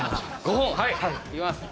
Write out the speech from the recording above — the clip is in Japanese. はいいきます